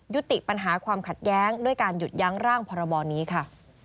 ยุติปัญหาความขัดแย้งด้วยการหยุดยั้งร่างพรบนี้ค่ะ